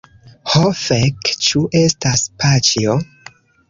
Ho fek, ĉu estas paĉjo?